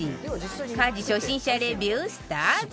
家事初心者レビュースタート